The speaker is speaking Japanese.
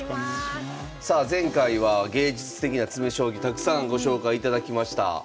さあ前回は芸術的な詰将棋たくさんご紹介いただきました。